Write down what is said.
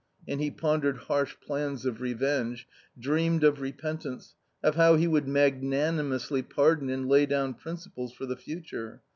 " And he pondered harsh plans of revenge, dreamed of re pentance, of how he would magnanimously pardon and lay down principles for the future.